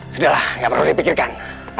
sudahlah tidak perlu dipikirkan